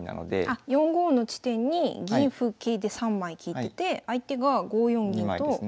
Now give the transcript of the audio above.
あっ４五の地点に銀歩桂で３枚利いてて相手が５四銀と４四歩の２枚。